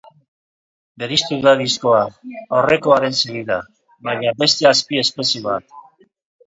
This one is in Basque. Bereiztua da diskoa, aurrekoaren segida, baina beste azpi-espezie bat.